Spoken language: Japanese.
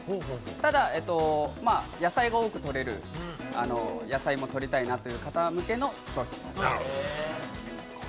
ただ、野菜が多くとれる、野菜もとりたいなという方向けのものです。